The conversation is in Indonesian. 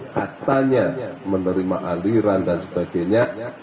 katanya menerima aliran dan sebagainya